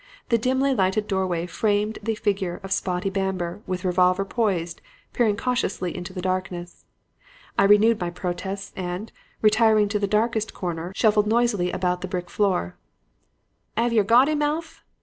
The dimly lighted doorway framed the figure of Spotty Bamber, with revolver poised, peering cautiously into the darkness. "I renewed my protests, and, retiring to the darkest corner, shuffled noisily about the brick floor. "''Ave yer got 'im, Alf?'